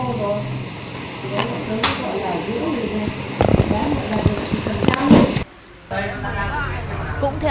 thẳng thì là gửi ra đây là gà khô rồi